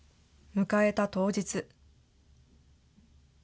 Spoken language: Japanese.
迎えた当日。